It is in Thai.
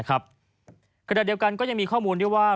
กระดาษเดียวกันก็ยังมีข้อมูลเรียกว่า